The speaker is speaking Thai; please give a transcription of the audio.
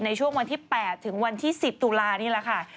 ในช่วงวันที่๘๑๐ธุลานี้ล่ะค่ะ